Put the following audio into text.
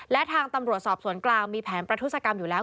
และทางตำรวจสอบสวนกลางมีแผนประทุศกรรมอยู่แล้ว